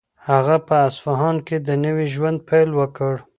هغه په اصفهان کې د نوي ژوند پیل وکړ.